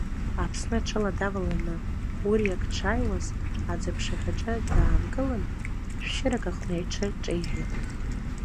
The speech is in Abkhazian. Аԥсны ҽыла даваланы уриак дшааиуаз, аӡы аԥшаҳәаҿы даанкылан, шәшьырак аҟны иҽы ҿеиҳәеит.